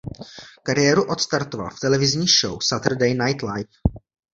Kariéru odstartoval v televizní show Saturday Night Live.